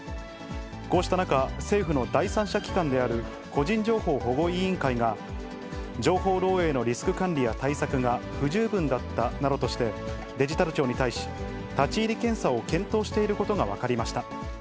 こうした中、政府の第三者機関である個人情報保護委員会が、情報漏えいのリスク管理や対策が不十分だったなどとして、デジタル庁に対し、立ち入り検査を検討していることが分かりました。